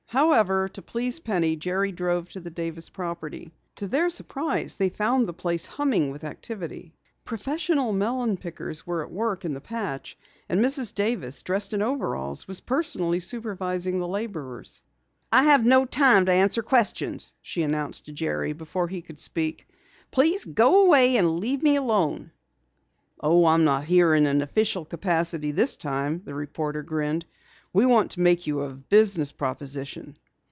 However, to please Penny, Jerry drove to the Davis property. To their surprise they found the place humming with activity. Professional melon pickers were at work in the patch, and Mrs. Davis, dressed in overalls, was personally supervising the laborers. "I have no time to answer questions!" she announced to Jerry before he could speak. "Please go away and leave me alone!" "Oh, I'm not here in an official capacity this time," the reporter grinned. "We want to make you a business proposition."